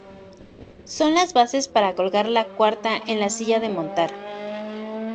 Son las bases para colgar la cuarta en la silla de montar.